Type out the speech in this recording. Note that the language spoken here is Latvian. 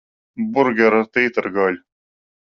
Burgeri ar tītara gaļu.